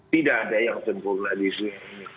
tidak ada yang sempurna di sini